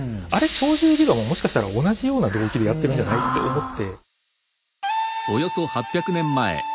「鳥獣戯画」ももしかしたら同じような動機でやってるんじゃない？って思って。